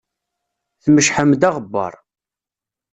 Tmecḥem-d aɣebbar.